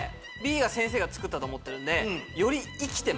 Ｂが先生が作ったと思ってるんで。